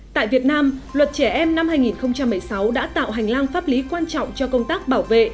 tại việt nam luật trẻ em năm hai nghìn một mươi sáu đã tạo hành lang pháp lý quan trọng cho công tác bảo vệ